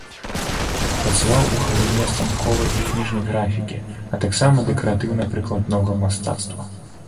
Працаваў у галіне станковай і кніжнай графікі, а таксама дэкаратыўна-прыкладнога мастацтва.